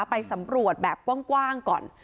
ไปสำรวจแบบกว้างก่อน